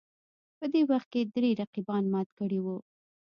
په دې وخت کې درې رقیبان مات کړي وو